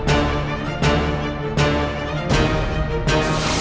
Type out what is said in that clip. sampai jumpa lagi